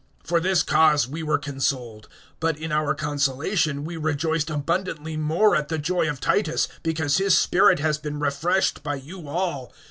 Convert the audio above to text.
(13)For this cause we were consoled; but in our consolation[7:13], we rejoiced abundantly more at the joy of Titus, because his spirit has been refreshed by you all.